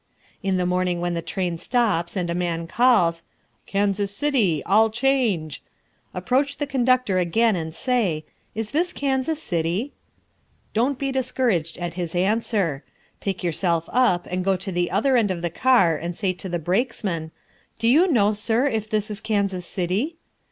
In the morning when the train stops and a man calls, "Kansas City! All change!" approach the conductor again and say, "Is this Kansas City?" Don't be discouraged at his answer. Pick yourself up and go to the other end of the car and say to the brakesman, "Do you know, sir, if this is Kansas City?"